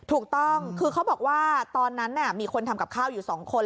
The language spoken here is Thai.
ถูกต้องคือเขาบอกว่าตอนนั้นมีคนทำกับข้าวอยู่๒คน